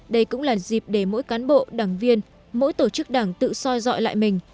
đây cũng là dịp để mỗi cán bộ đảng viên mỗi tổ chức đảng tự soi dọi lại mình